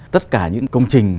tất cả những công trình